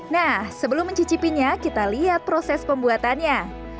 nah sebelum mencicipinya kita lihat proses pembuatannya